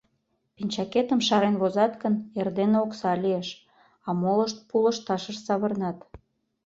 Пинчакетым шарен возат гын, эрдене окса лиеш, а молышт пу лышташыш савырнат.